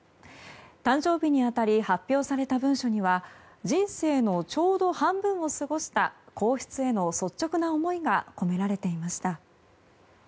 誕生日に当たり発表された文書には人生のちょうど半分を過ごした皇室への率直な思いが込められていました。